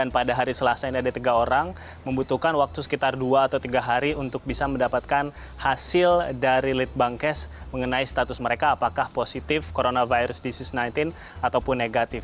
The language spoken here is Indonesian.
pada hari selasa ini ada tiga orang membutuhkan waktu sekitar dua atau tiga hari untuk bisa mendapatkan hasil dari litbangkes mengenai status mereka apakah positif coronavirus disease sembilan belas ataupun negatif